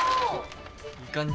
いい感じ。